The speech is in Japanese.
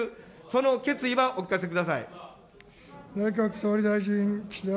その決意はお聞かせください。